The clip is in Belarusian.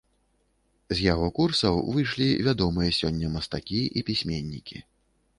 З яго курсаў выйшлі вядомыя сёння мастакі і пісьменнікі.